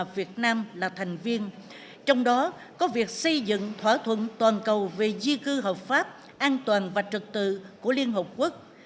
việt nam là thành viên trong đó có việc xây dựng thỏa thuận toàn cầu về di cư hợp pháp an toàn và trật tự của liên hợp quốc